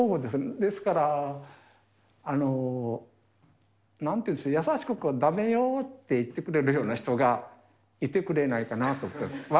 ですから、なんていうんです、優しくだめよって言ってくれるような人がいてくれないかなと。